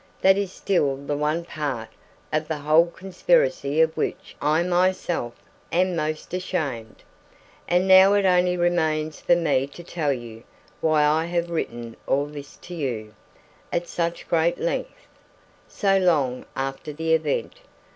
That is still the one part of the whole conspiracy of which I myself am most ashamed. "And now it only remains for me to tell you why I have written all this to you, at such great length, so long after the event.